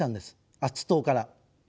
アッツ島から。